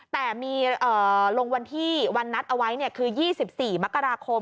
แต่มีลงวันที่วันนัดเอาไว้คือ๒๔มกราคม